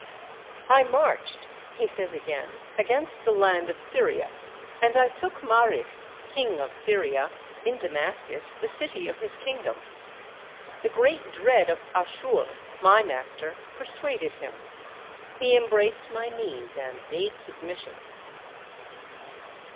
"I marched," he says again, "against the land of Syria, and I took Marih, king of Syria, in Damascus, the city of his kingdom. The great dread of Asshur, my master, persuaded him; he embraced my knees and made submission."